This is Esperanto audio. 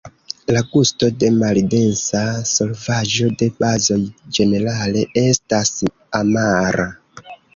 La gusto de maldensa solvaĵo de bazoj ĝenerale estas amara.